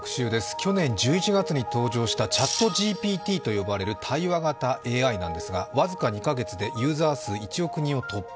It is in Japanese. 去年１１月に登場したＣｈａｔＧＰＴと呼ばれる対話型ＡＩなんですが僅か２か月でユーザー数１億人を突破。